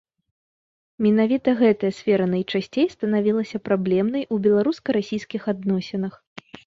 Менавіта гэтая сфера найчасцей станавілася праблемнай у беларуска-расійскіх адносінах.